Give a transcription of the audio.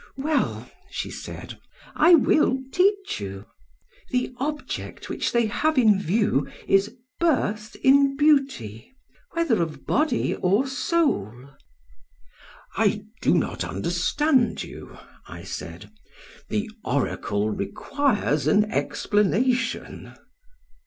"'Well,' she said, 'I will teach you: The object which they have in view is birth in beauty, whether of body or soul.' "'I do not understand you,' I said; 'the oracle requires an explanation.'